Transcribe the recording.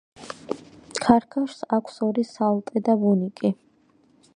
ქარქაშს აქვს ორი სალტე და ბუნიკი.